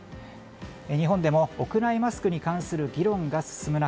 日本でも屋内マスクに関する議論が進む中